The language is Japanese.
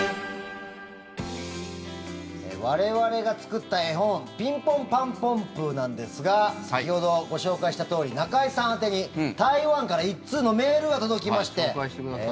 我々が作った絵本「ピンポンパンポンプー」なんですが先ほどご紹介したとおり中居さん宛てに台湾から紹介してください。